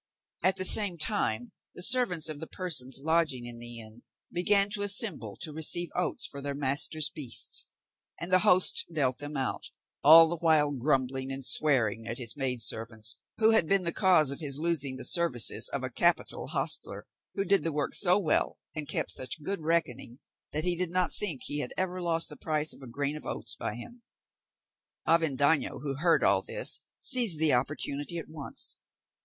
At the same time the servants of the persons lodging in the inn began to assemble to receive oats for their masters' beasts; and the host dealt them out, all the while grumbling and swearing at his maid servants who had been the cause of his losing the services of a capital hostler, who did the work so well and kept such good reckoning, that he did not think he had ever lost the price of a grain of oats by him. Avendaño, who heard all this, seized the opportunity at once.